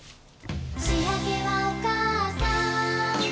「しあげはおかあさん」